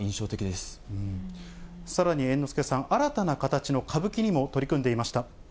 さらに、猿之助さん、新たな形の歌舞伎にも取り組んでいました。